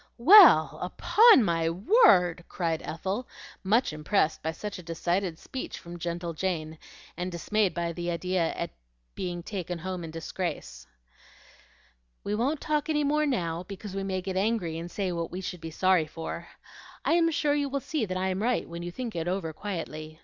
"Well, upon my word!" cried Ethel, much impressed by such a decided speech from gentle Jane, and dismayed at the idea of being taken home in disgrace. "We won't talk any more now, because we may get angry and say what we should be sorry for. I am sure you will see that I am right when you think it over quietly.